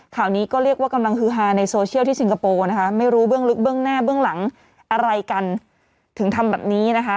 ข่าวนี้ก็เรียกว่ากำลังฮือฮาในโซเชียลที่สิงคโปร์นะคะไม่รู้เบื้องลึกเบื้องหน้าเบื้องหลังอะไรกันถึงทำแบบนี้นะคะ